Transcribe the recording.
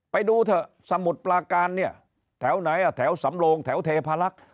ไปดูเถอะสมุดปลาการเนี่ยแถวไหนอ่ะแถวสำโลงแถวเทพาลักษณ์